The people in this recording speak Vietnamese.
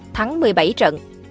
thắng một mươi bảy trận